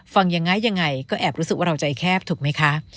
ฟังยังไงยังไงก็แอบรู้สึกว่าเราใจแคบถูกไหมคะ